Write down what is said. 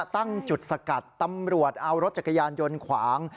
ตั้งจุดสกัดตำรวจเอารถจักรยานยนต์ขวาง